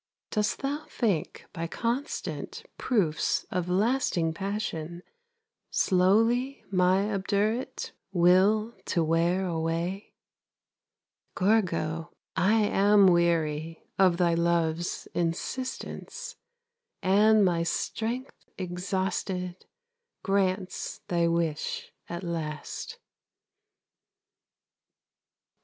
Dost thou think by constant Proofs of lasting passion, Slowly my obdurate Will to wear away? Gorgo, I am weary Of thy love's insistence, And my strength exhausted Grants thy wish at last.